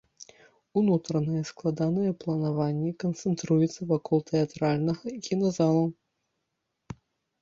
Унутранае складанае планаванне канцэнтруецца вакол тэатральнага і кіназалаў.